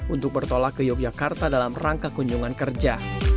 untuk bertolak ke yogyakarta dalam rangka kunjungan kerja